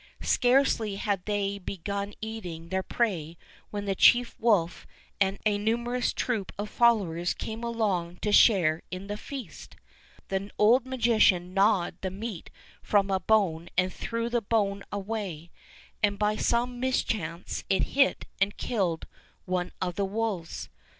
Scarcely had they be gun eating their prey when the chief wolf and a numerous troop of followers came along to share in the feast. The old magician gnawed the meat from a bone and threw the bone away, and by some mischance it hit and killed one of the wolves.